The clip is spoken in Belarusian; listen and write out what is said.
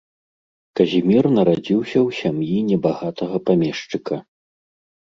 Казімір нарадзіўся ў сям'і небагатага памешчыка.